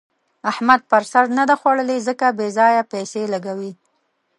احمد پر سر نه ده خوړلې؛ ځکه بې ځايه پيسې لګوي.